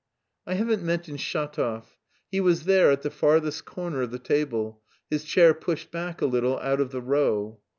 I haven't mentioned Shatov. He was there at the farthest corner of the table, his chair pushed back a little out of the row.